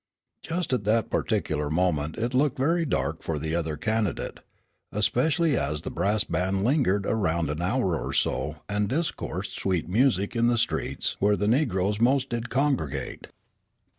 Just at that particular moment it looked very dark for the other candidate, especially as the brass band lingered around an hour or so and discoursed sweet music in the streets where the negroes most did congregate.